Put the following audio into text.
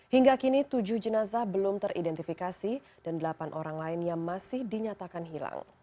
hingga kini tujuh jenazah belum teridentifikasi dan delapan orang lainnya masih dinyatakan hilang